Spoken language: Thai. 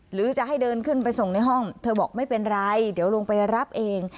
หรือจะให้เดินขึ้นไปส่งในห้องเธอบอกไม่เป็นไรเดี๋ยวลงไปรับเอง